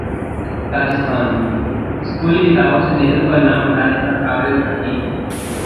राजस्थान: स्कूली किताबों से नेहरू का नाम हटाने पर कांग्रेस भड़की